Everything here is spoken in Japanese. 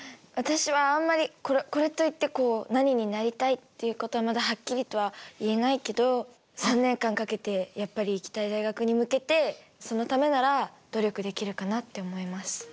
私はあんまりこれといってこう何になりたいっていうことはまだはっきりとは言えないけど３年間かけてやっぱり行きたい大学に向けてそのためなら努力できるかなって思います。